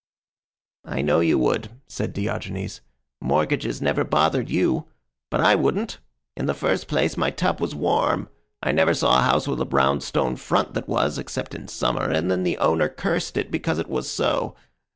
"I know you would," said Diogenes. "Mortgages never bothered you but I wouldn't. In the first place, my tub was warm. I never saw a house with a brownstone front that was, except in summer, and then the owner cursed it because it was so.